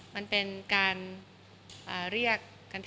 มันเป็นการเรียกกันแถวบ้านค่ะ